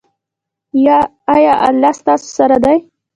ایا الله ستاسو سره دی؟